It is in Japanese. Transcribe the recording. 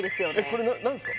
これ何すか？